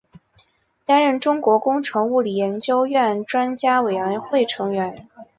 担任中国工程物理研究院专家委员会成员。